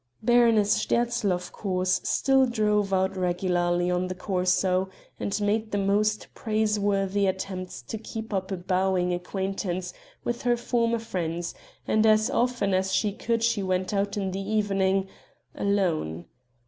Baroness Sterzl, of course, still drove out regularly on the Corso, and made the most praiseworthy attempts to keep up a bowing acquaintance with her former friends, and as often as she could she went out in the evening alone.